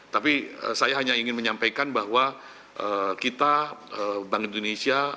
tapi saya hanya ingin menyampaikan bahwa kita bank indonesia